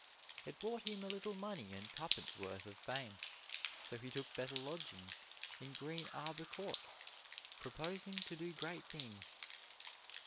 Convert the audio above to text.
It brought him a little money and tuppence worth of fame, so he took better lodgings, in Green Arbor Court, proposing to do great things.